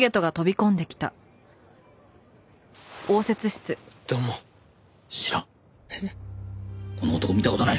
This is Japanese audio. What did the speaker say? こんな男見た事ない。